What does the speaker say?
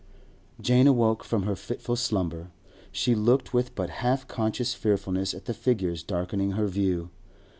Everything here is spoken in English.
Jane awoke from her fitful slumber. She looked with but half conscious fearfulness at the figures darkening her view.